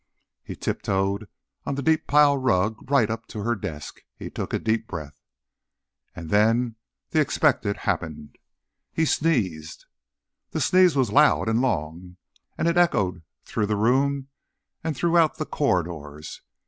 He tiptoed on the deep pile rug right up to her desk. He took a deep breath. And the expected happened. He sneezed. The sneeze was loud and long, and it echoed through the room and throughout the corridors.